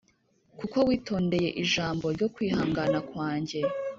Kuko witondeye ijambo ryo kwihangana kwanjye